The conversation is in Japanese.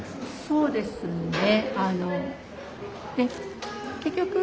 そうですね。